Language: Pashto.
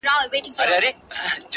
تاته هم یو زر دیناره درکومه.